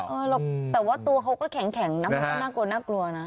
แต่ว่าตัวเขาก็แข็งนะครับน่ากลัวนะ